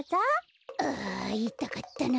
あいたかったな。